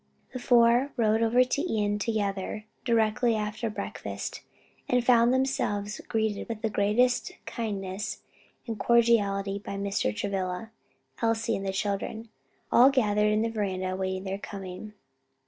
The four rode over to Ion together, directly after breakfast, and found themselves greeted with the greatest kindness and cordiality by Mr. Travilla, Elsie and the children, all gathered in the veranda awaiting their coming.